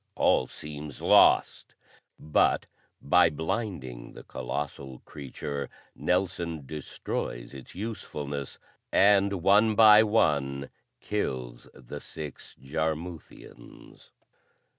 All seems lost; but by blinding the colossal creature, Nelson destroys its usefulness, and one by one kills the six Jarmuthians.